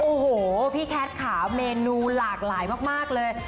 โอ้โหพี่แคทค่ะเมนูหลากหลายมากเลย